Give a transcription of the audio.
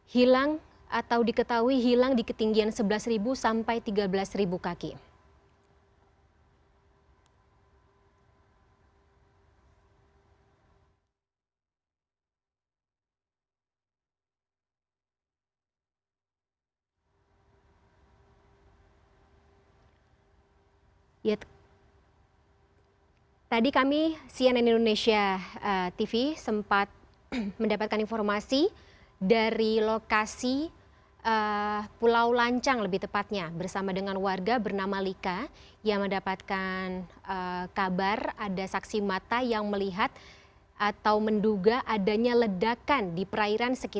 hilang atau diketahui hilang di ketinggian sebelas sampai tiga belas kaki